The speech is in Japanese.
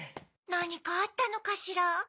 なにかあったのかしら？